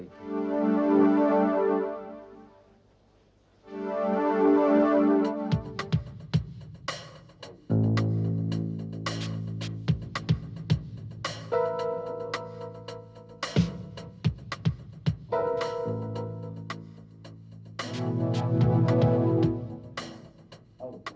selamat kembali tuan saudara